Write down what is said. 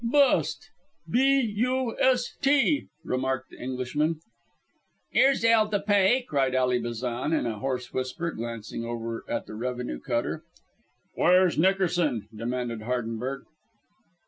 "Bust. B u s t!" remarked the Englishman. "'Ere's 'ell to pay," cried Ally Bazan in a hoarse whisper, glancing over at the revenue cutter. "Where's Nickerson?" demanded Hardenberg.